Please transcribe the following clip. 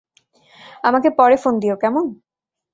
আমাকে পরে ফোন দিও, কেমন?